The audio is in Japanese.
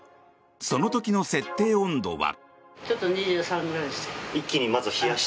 その時の設定温度は。